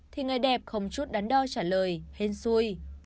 thì người đẹp không chút đắn đo trả lời hên xui